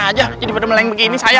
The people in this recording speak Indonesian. ada aja jadi pada meleng begini saya